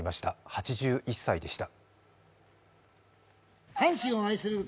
８１歳でした。